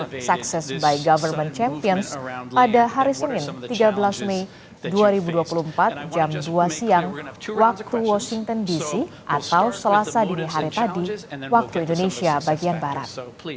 dan sukses oleh pemerintah pemerintah pada hari senin tiga belas mei dua ribu dua puluh empat jam dua siang waktu washington dc atau selasa di hari tadi waktu indonesia bagian barat